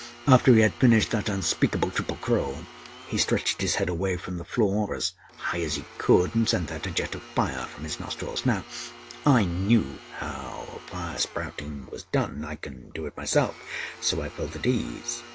After he had finished that unspeakable triple crawl, he stretched his head away from the floor as high as he could, and sent out a jet of fire from his nostrils. Now, I knew how fire spouting is done I can do it myself so I felt at ease.